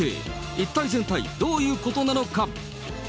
一体全体、どういうことなのか。